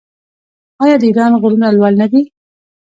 آیا د ایران غرونه لوړ نه دي؟